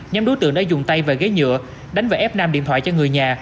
nhóm đối tượng đã dùng tay và ghế nhựa đánh và ép nam điện thoại cho người nhà